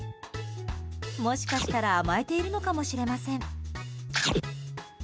もしかしたら甘えているのかもしれません。